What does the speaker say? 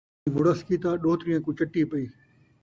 نانی مُڑس کیتا ، ݙوہتریاں کوں چٹی پئی